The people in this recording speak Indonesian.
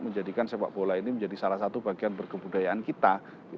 menjadikan sepak bola ini menjadi salah satu bagian berkebudayaan kita